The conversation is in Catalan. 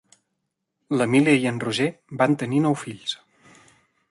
L'Emília i en Roger van tenir nou fills.